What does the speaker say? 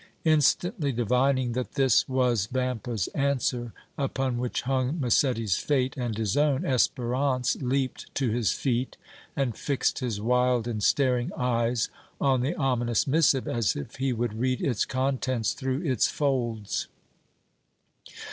Instantly divining that this was Vampa's answer, upon which hung Massetti's fate and his own, Espérance leaped to his feet and fixed his wild and staring eyes on the ominous missive as if he would read its contents through its folds.